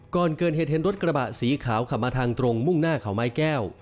ก่อนเกิดเหตุเห็นรถกระบะสีขาวขับมาทางตรงมุ่งหน้าเขาไม้แก้ว